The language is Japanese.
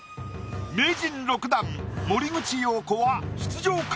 名人６段森口瑤子は出場か？